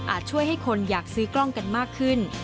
ช่วยให้คนอยากซื้อกล้องกันมากขึ้น